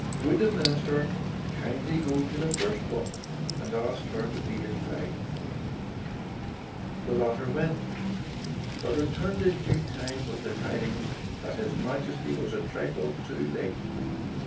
Would the minister kindly go to the first one and ask her to be his bride ? The latter went, but returned in due time, with the tidings that his Majesty was a trifle too late.